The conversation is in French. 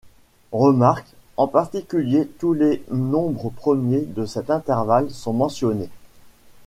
Remarque : en particulier, tous les nombres premiers de cet intervalle sont mentionnés.